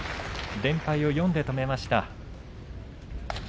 連敗を４で止めました。